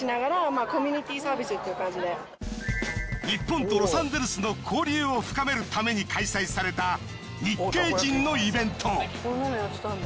日本とロサンゼルスの交流を深めるために開催された日系人のイベント。